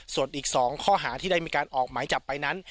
ส่วนอีก๒ข้อหาที่ได้มีการออกหมายจับไปนั้น